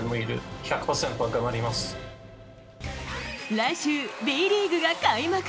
来週、Ｂリーグが開幕。